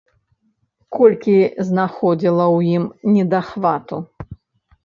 Колькі знаходзіла ў ім недахвату!